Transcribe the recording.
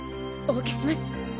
お受けします。